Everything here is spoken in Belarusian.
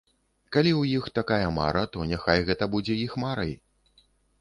Калі ў іх такая мара, то няхай гэта будзе іх марай.